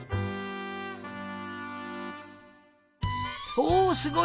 おおすごい！